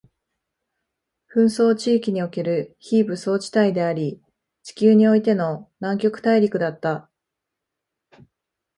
紛争地域における非武装地帯であり、地球においての南極大陸だった